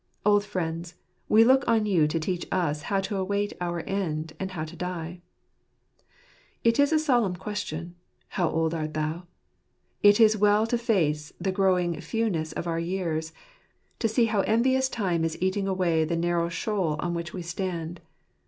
Old friends, we look on you to teach us how to await our end, and how to die. It is a solemn question, How old art thou ? It is well to face the growing fewness of our years ; to see how envious Time is eating away the narrow shoal on which we stand.